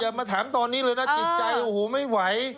มาถามตอนนี้เลยนะจิตใจโอ้โหไม่ไหว